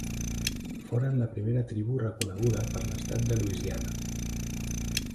Foren la primera tribu reconeguda per l'estat de Louisiana.